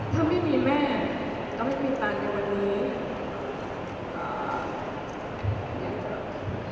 ถ้าไม่มีแม่ก็ไม่มีตังค์ในวันนี้